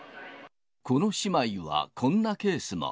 この姉妹は、こんなケースも。